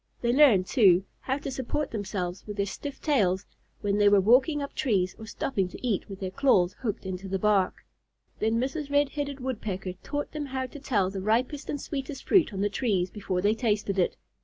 They learned, too, how to support themselves with their stiff tails when they were walking up trees or stopping to eat with their claws hooked into the bark. Then Mrs. Red headed Woodpecker taught them how to tell the ripest and sweetest fruit on the trees before they tasted it.